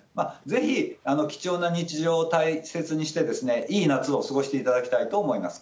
ぜひ貴重な日常を大切にして、いい夏を過ごしていただきたいと思います。